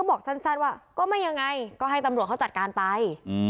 บอกแบบก็ไม่เอาหน่าก็ต้องให้การจัดการไป